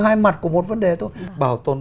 hai mặt của một vấn đề thôi bảo tồn